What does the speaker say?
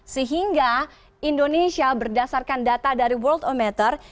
sehingga indonesia berdasarkan data dari worldometer